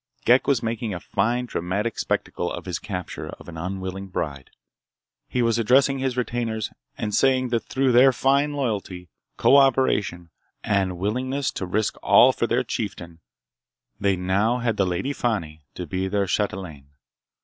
Ghek was making a fine, dramatic spectacle of his capture of an unwilling bride. He was addressing his retainers and saying that through their fine loyalty, co operation and willingness to risk all for their chieftain, they now had the Lady Fani to be their chatelaine.